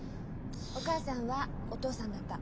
お母さんはお父さんだった。